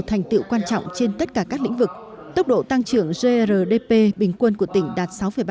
thành tựu quan trọng trên tất cả các lĩnh vực tốc độ tăng trưởng grdp bình quân của tỉnh đạt sáu ba